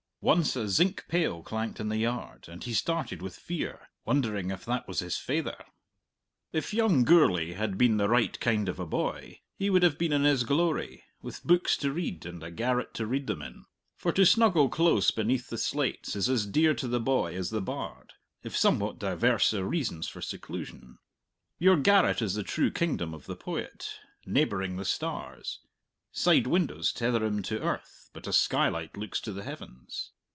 Once a zinc pail clanked in the yard, and he started with fear, wondering if that was his faither! If young Gourlay had been the right kind of a boy he would have been in his glory, with books to read and a garret to read them in. For to snuggle close beneath the slates is as dear to the boy as the bard, if somewhat diverse their reasons for seclusion. Your garret is the true kingdom of the poet, neighbouring the stars; side windows tether him to earth, but a skylight looks to the heavens.